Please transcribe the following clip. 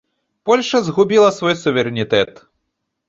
Польшча згубіла свой суверэнітэт!